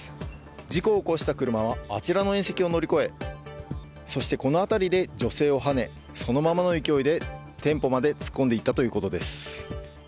事故を起こした車はあちらの縁石を乗り越えそしてこの辺りで女性をはねそのままの勢いで店舗まで突っ込んでいったということです。